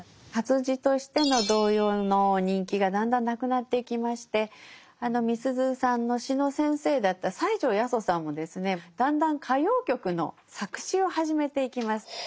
活字としての童謡の人気がだんだんなくなっていきましてみすゞさんの詩の先生だった西條八十さんもですねだんだん歌謡曲の作詞を始めていきます。